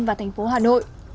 và thành phố hà nội